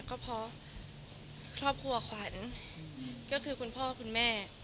ก็เพราะครอบครัวขวัญก็คือคุณพ่อคุณแม่